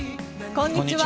こんにちは。